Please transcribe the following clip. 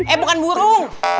eh bukan burung